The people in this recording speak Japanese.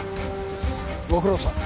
ご苦労さん。